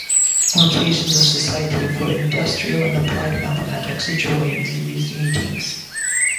On occasion the Society for Industrial and Applied Mathematics joins in these meetings.